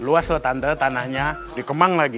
luas loh tante tanahnya di kemang lagi